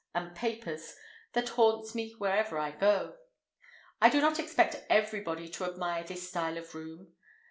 and papers that haunts me wherever I go! I do not expect everybody to admire this style of room.